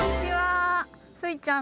スイちゃん